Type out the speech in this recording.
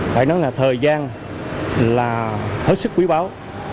phải nói là thời gian là hết sức quý báo